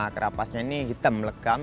kerapasnya ini hitam legam